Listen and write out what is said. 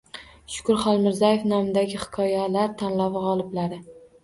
Shukur Xolmirzayev nomidagi hikoyalar tanlovi g‘oliblari